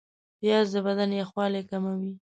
پیاز د بدن یخوالی کموي